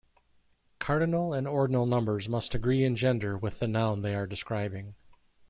Cardinal and ordinal numbers must agree in gender with the noun they are describing.